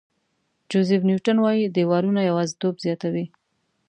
جوزیف نیوټن وایي دیوالونه یوازېتوب زیاتوي.